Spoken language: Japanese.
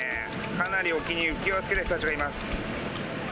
かなり沖に浮き輪つけた人たちがいます。